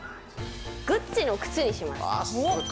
グッチの靴にします。